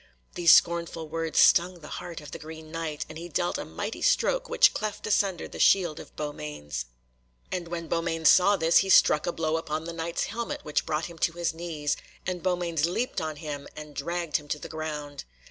These scornful words stung the heart of the Green Knight, and he dealt a mighty stroke which cleft asunder the shield of Beaumains. And when Beaumains saw this, he struck a blow upon the Knight's helmet which brought him to his knees, and Beaumains leapt on him, and dragged him to the ground.